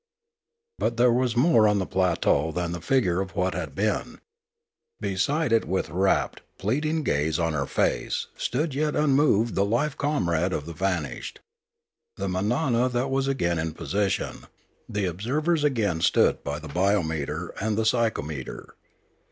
But there was more on the plateau than the figure of what had been. Beside it with rapt, pleading gaze on her face stood yet unmoved the life comrade of the vanished. The manana was again in position, the observers agaiu stood by the biometer and the psy chometer.